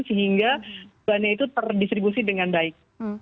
sehingga beban itu perdistribusi dengan baik